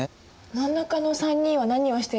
真ん中の３人は何をしているんですか？